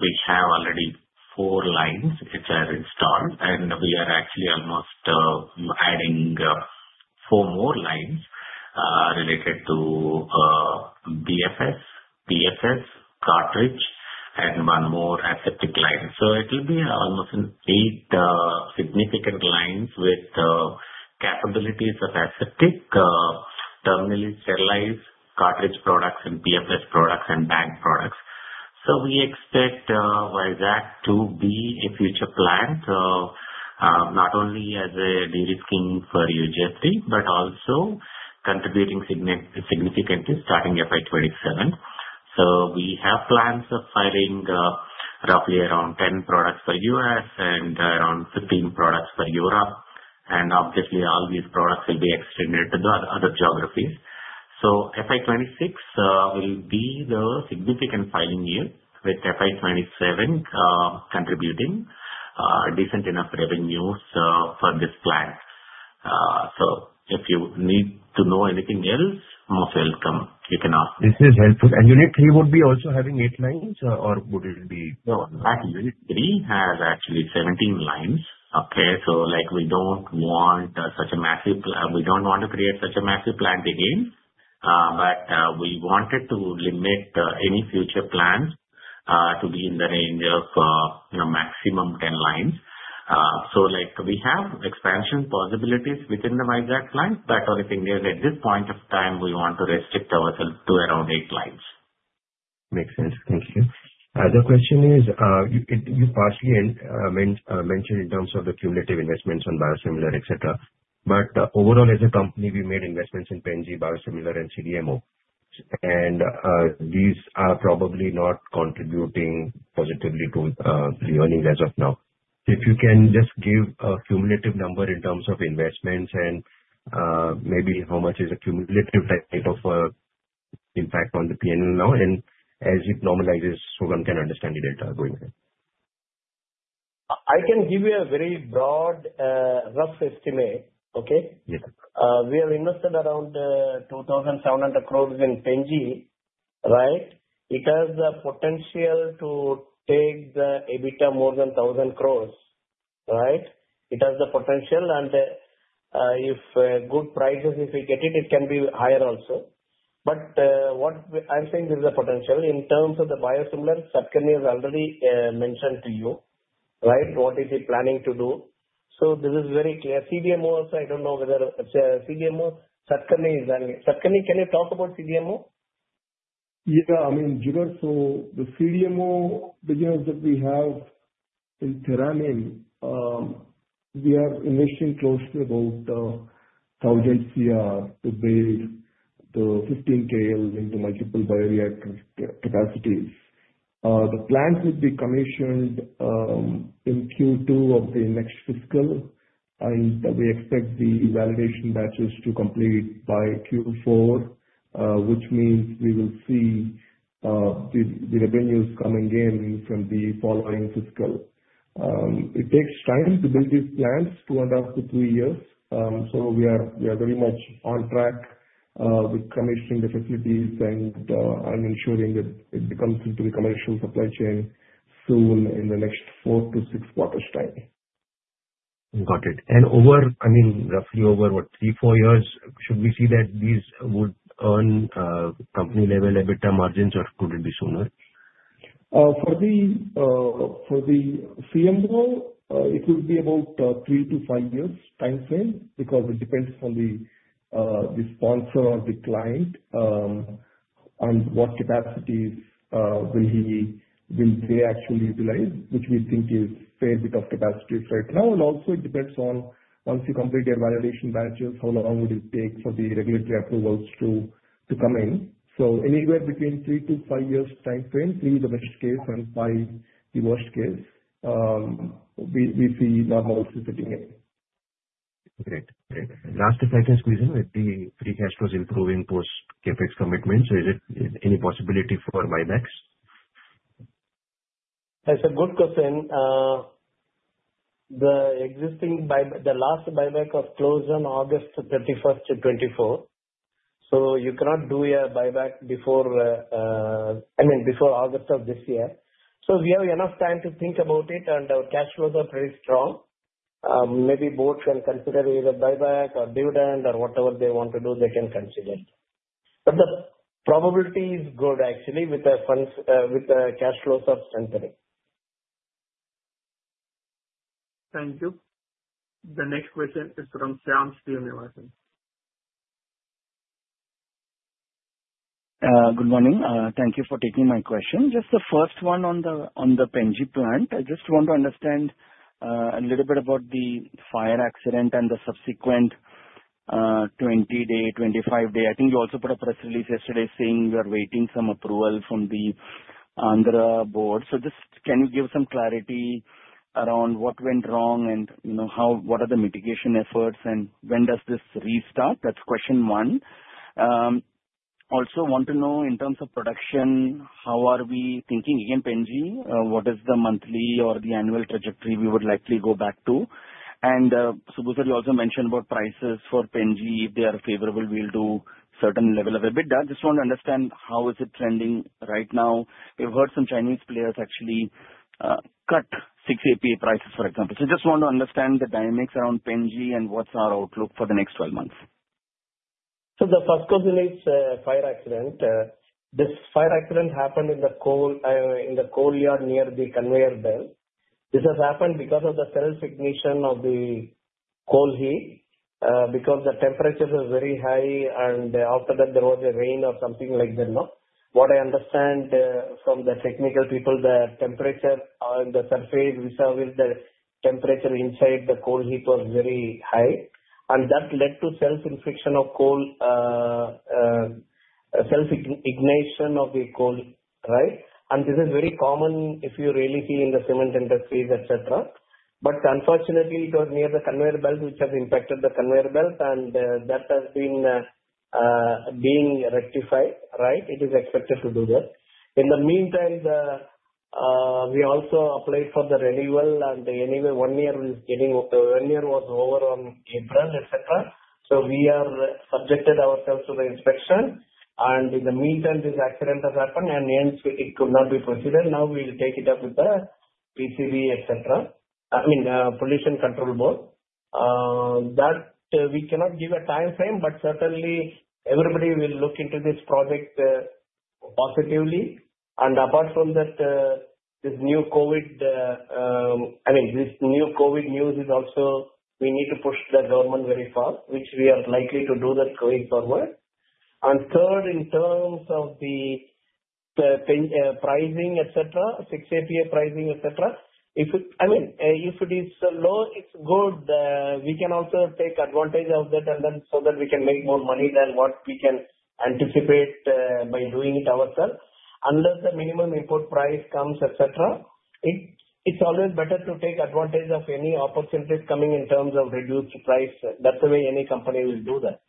we have already four lines which are installed, and we are actually almost adding four more lines related to BFS, PFS, cartridge, and one more aseptic line. It will be almost eight significant lines with capabilities of aseptic, terminally sterilized cartridge products and PFS products and bank products. We expect Vizag to be a future plant not only as a de-risking for Eugia-3, but also contributing significantly starting FY 2027. We have plans of filing roughly around 10 products for the US and around 15 products for Europe. Obviously, all these products will be extended to other geographies. FY 2026 will be the significant filing year with FY 2027 contributing decent enough revenues for this plant. If you need to know anything else, most welcome. You can ask. This is helpful. Unit 3 would be also having eight lines, or would it be? No. Unit 3 has actually 17 lines. We do not want to create such a massive plant again. We wanted to limit any future plans to be in the range of maximum 10 lines. We have expansion possibilities within the Vizag line, but only thing is at this point of time, we want to restrict ourselves to around eight lines. Makes sense. Thank you. The question is, you partially mentioned in terms of the cumulative investments on biosimilar, etc. Overall, as a company, we made investments in Pen-G, Biosimilar, and CDMO. These are probably not contributing positively to the earnings as of now. If you can just give a cumulative number in terms of investments and maybe how much is a cumulative type of impact on the P&L now, and as it normalizes, so one can understand the data going ahead. I can give you a very broad, rough estimate. We have invested around 2,700 crore in Pen-G. Right? It has the potential to take the EBITDA more than 1,000 crore. Right? It has the potential. If good prices, if we get it, it can be higher also. What I'm saying is the potential in terms of the biosimilar, Satakarni has already mentioned to you. Right? What is he planning to do? This is very clear. CDMO also, I don't know whether CDMO, Satakarni is—Satakarni, can you talk about CDMO? Yeah. I mean, Jigar, the CDMO business that we have in TheraNym, we are investing close to about 1,000 crore to build the 15 tails into multiple bioreactor capacities. The plants will be commissioned in Q2 of the next fiscal. We expect the validation batches to complete by Q4, which means we will see the revenues coming in from the following fiscal. It takes time to build these plants, two and a half to three years. We are very much on track with commissioning the facilities and ensuring that it becomes into the commercial supply chain soon in the next four to six quarters' time. Got it. Over, I mean, roughly over what, three, four years, should we see that these would earn company-level EBITDA margins or could it be sooner? For the CMO, it will be about three to five years' time frame because it depends on the sponsor or the client and what capacities will they actually utilize, which we think is a fair bit of capacity right now. It also depends on once you complete your validation batches, how long would it take for the regulatory approvals to come in. Anywhere between three to five years' time frame, three is the best case, and five is the worst case. We see normalcy sitting in. Great. Great. Last, if I can squeeze in, the free cash flow is improving post-CapEx commitments. Is it any possibility for buybacks? That's a good question. The last buyback was closed on August 31, 2024. You cannot do a buyback before, I mean, before August of this year. We have enough time to think about it, and our cash flows are pretty strong. Maybe boards can consider either buyback or dividend or whatever they want to do, they can consider it. The probability is good, actually, with the cash flow substantively. Thank you. The next question is from Shyam Srinivasan. Good morning. Thank you for taking my question. Just the first one on the Pen-G plant. I just want to understand a little bit about the fire accident and the subsequent 20-day, 25-day. I think you also put a press release yesterday saying you are waiting some approval from the Andhra Pradesh board. Just can you give some clarity around what went wrong and what are the mitigation efforts and when does this restart? That's question one. Also, want to know in terms of production, how are we thinking in Pen-G? What is the monthly or the annual trajectory we would likely go back to? Subbu, you also mentioned about prices for Pen-G. If they are favorable, we'll do a certain level of EBITDA. I just want to understand how is it trending right now. We've heard some Chinese players actually cut 6-APA prices, for example. I just want to understand the dynamics around Pen-G and what's our outlook for the next 12 months. The first question is fire accident. This fire accident happened in the coal yard near the conveyor belt. This has happened because of the self-ignition of the coal heap because the temperature was very high, and after that, there was a rain or something like that. What I understand from the technical people, the temperature on the surface, we saw with the temperature inside the coal heap was very high. That led to self-ignition of the coal. Right? This is very common if you really see in the cement industry, etc. Unfortunately, it was near the conveyor belt which has impacted the conveyor belt, and that has been being rectified. It is expected to do that. In the meantime, we also applied for the renewal, and anyway, one year was over in April, etc. We subjected ourselves to the inspection. In the meantime, this accident has happened, and hence it could not be proceeded. Now we will take it up with the Pollution Control Board, etc. I mean, Pollution Control Board. We cannot give a time frame, but certainly everybody will look into this project positively. Apart from that, this new COVID, I mean, this new COVID news is also we need to push the government very far, which we are likely to do that going forward. Third, in terms of the pricing, etc., 6-APA pricing, etc., I mean, if it is low, it is good. We can also take advantage of that so that we can make more money than what we can anticipate by doing it ourselves. Under the minimum import price comes, etc., it's always better to take advantage of any opportunities coming in terms of reduced price. That's the way any company will do that.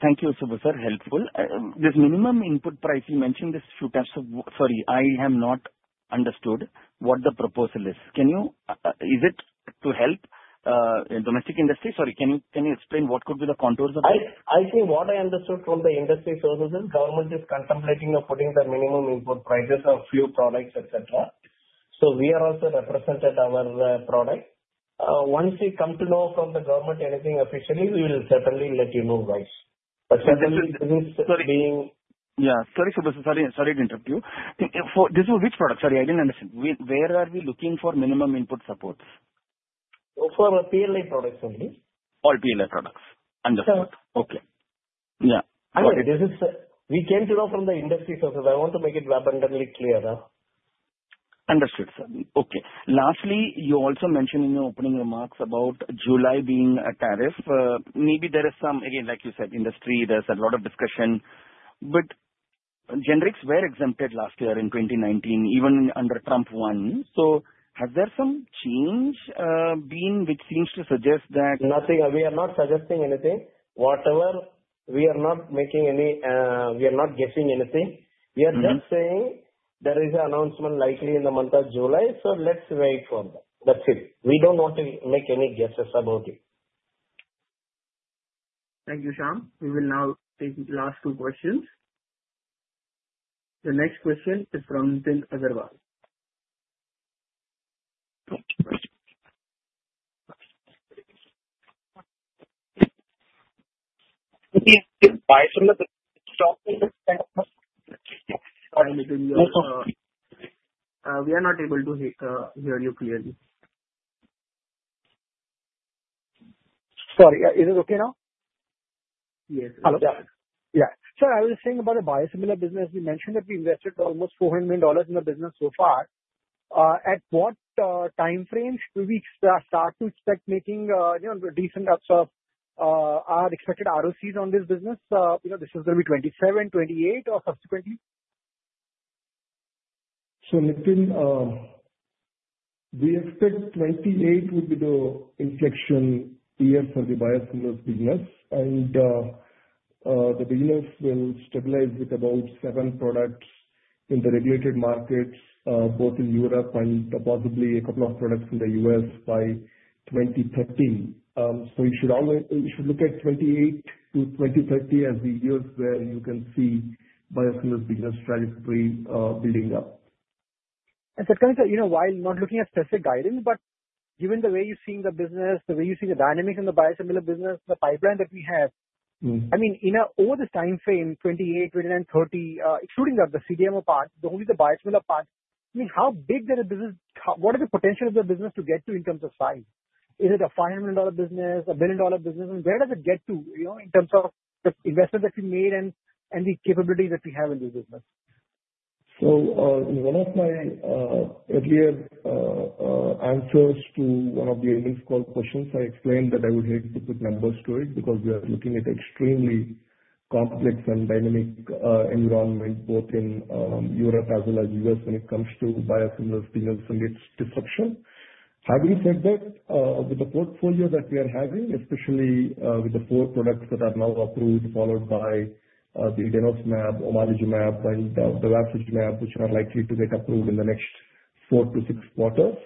Thank you, Subbu, for helpful. This minimum import price, you mentioned this few times. Sorry, I have not understood what the proposal is. Is it to help domestic industry? Sorry, can you explain what could be the contours of it? I think what I understood from the industry sources is government is contemplating of putting the minimum import prices of few products, etc. We are also represented our product. Once we come to know from the government anything officially, we will certainly let you know why. This is being. Sorry, Subbu, sorry to interrupt you. This is which product? Sorry, I didn't understand. Where are we looking for minimum input supports? For PLI products only. All PLI products. Understood. Okay. Yeah. We came to know from the industry sources. I want to make it abundantly clearer. Understood, sir. Okay. Lastly, you also mentioned in your opening remarks about July being a tariff. Maybe there is some, again, like you said, industry, there's a lot of discussion. Generics were exempted last year in 2019, even under Trump 1. Has there been some change which seems to suggest that? Nothing. We are not suggesting anything. Whatever, we are not making any, we are not guessing anything. We are just saying there is an announcement likely in the month of July, so let's wait for that. That's it. We do not want to make any guesses about it. Thank you, Shyam. We will now take the last two questions. The next question is from Nitin Agarwal. We are not able to hear you clearly. Sorry. Is it okay now? Yes. Yeah. Yeah. I was saying about the biosimilar business. You mentioned that we invested almost $400 million in the business so far. At what time frame should we start to expect making decent expected ROCs on this business? Is this going to be 2027, 2028, or subsequently? We expect 2028 would be the inflection year for the biosimilar business. The business will stabilize with about seven products in the regulated markets, both in Europe and possibly a couple of products in the U.S. by 2028. You should look at 2028 to 2030 as the years where you can see biosimilar business trajectory building up. As it comes to, while not looking at specific guidance, but given the way you're seeing the business, the way you see the dynamics in the biosimilar business, the pipeline that we have, I mean, over the time frame, 2028, 2029, 2030, excluding the CDMO part, only the biosimilar part, I mean, how big is the business? What is the potential of the business to get to in terms of size? Is it a $500 million business, a billion-dollar business? And where does it get to in terms of the investment that you made and the capabilities that we have in this business? One of my earlier answers to one of the earlier questions, I explained that I would hate to put numbers to it because we are looking at extremely complex and dynamic environment, both in Europe as well as the U.S., when it comes to biosimilar business and its disruption. Having said that, with the portfolio that we are having, especially with the four products that are now approved, followed by the Denosumab, Omalizumab, and the Bevacizumab, which are likely to get approved in the next four to six quarters,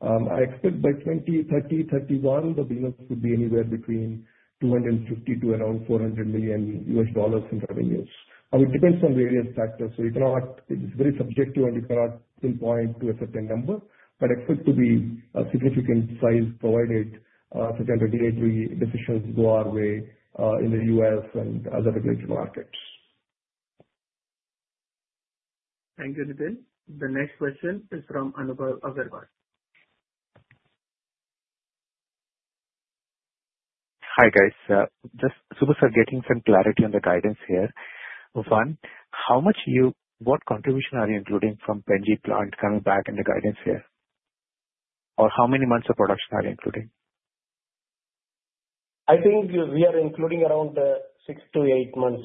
I expect by 2030, 2031, the business could be anywhere between $250 million-$400 million in revenues. It depends on various factors. It's very subjective, and you cannot pinpoint to a certain number, but expect to be a significant size provided such as regulatory decisions go our way in the U.S. and other regulatory markets. Thank you, Nitin. The next question is from Anubhav Agarwal. Hi guys. Just Subbu's getting some clarity on the guidance here. One, what contribution are you including from Pen-G plant coming back in the guidance here? Or how many months of production are you including? I think we are including around six to eight months.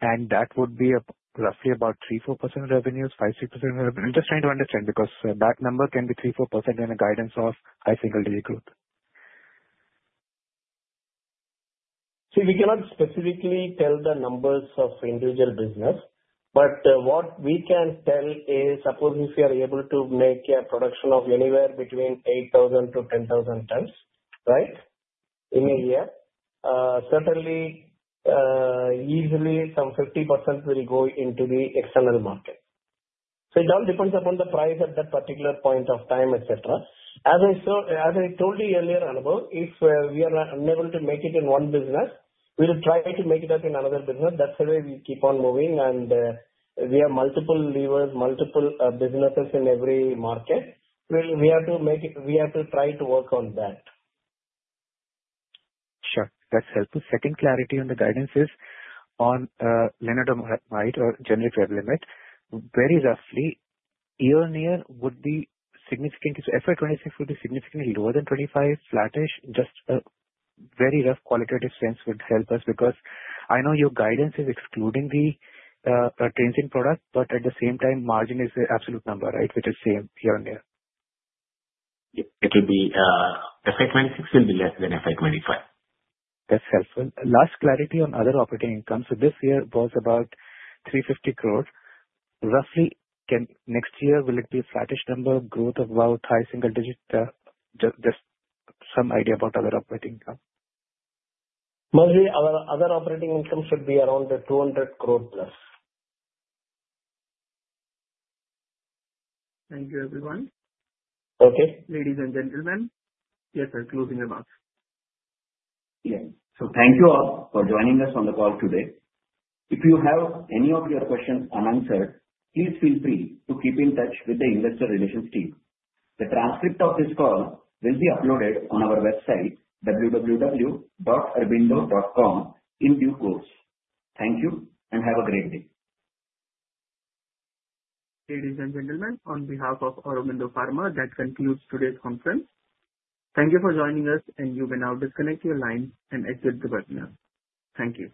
That would be roughly about 3%-4% revenues, 5%-6% revenue. I'm just trying to understand because that number can be 3%-4% in a guidance of high single-digit growth. We cannot specifically tell the numbers of individual business, but what we can tell is, suppose if you are able to make a production of anywhere between 8,000 tons-10,000 tons in a year, certainly easily some 50% will go into the external market. It all depends upon the price at that particular point of time, etc. As I told you earlier, Anupal, if we are unable to make it in one business, we will try to make it up in another business. That's the way we keep on moving, and we have multiple levers, multiple businesses in every market. We have to try to work on that. Sure. That's helpful. Second clarity on the guidance is on linear demand, right, or generic Revlimid. Very roughly, year on year would be significantly, FY 2026 would be significantly lower than 2025, flattish. Just a very rough qualitative sense would help us because I know your guidance is excluding the transient product, but at the same time, margin is the absolute number, right, which is same year on year. It will be FY 2026 will be less than FY 2025. That's helpful. Last clarity on other operating income. So this year was about 350 crore. Roughly, next year, will it be a flattish number, growth of about high single-digit, just some idea about other operating income? Mostly, our other operating income should be around 200 crore plus. Thank you, everyone. Okay. Ladies and gentlemen, yes, I'm closing the box. Yes. Thank you all for joining us on the call today. If you have any of your questions unanswered, please feel free to keep in touch with the investor relations team. The transcript of this call will be uploaded on our website, www.aurobindo.com, in due course. Thank you and have a great day. Ladies and gentlemen, on behalf of Aurobindo Pharma, that concludes today's conference. Thank you for joining us, and you may now disconnect your lines and exit the webinar. Thank you.